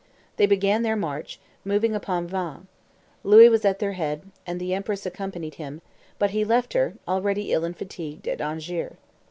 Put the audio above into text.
They began their march, moving upon Vannes; Louis was at their head, and the empress accompanied him, but he left her, already ill and fatigued, at Angers.